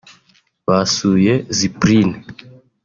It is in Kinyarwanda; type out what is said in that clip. basuye Zipline